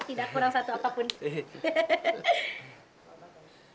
tidak kurang satu apapun